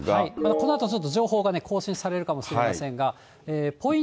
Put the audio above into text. このあとちょっと情報が更新されるかもしれませんが、ポイン